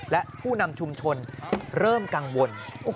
และผู้นำชุมชนเริ่มกังวล